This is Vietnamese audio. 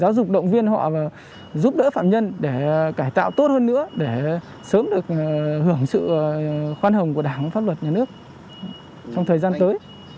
giáo dục động viên họ và giúp đỡ phạm nhân để cải tạo tốt hơn nữa để sớm được hưởng sự khoan hồng của đảng pháp luật nhà nước trong thời gian tới